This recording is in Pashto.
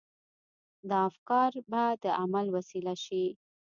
دا افکار به د عمل وسيله شي.